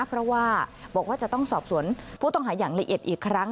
เพราะว่าบอกว่าจะต้องสอบสวนผู้ต้องหาอย่างละเอียดอีกครั้ง